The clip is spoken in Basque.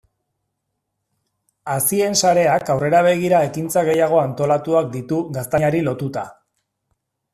Hazien sareak aurrera begira ekintza gehiago antolatuak ditu gaztainari lotuta.